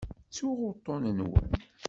Ttuɣ uṭṭun-nwen.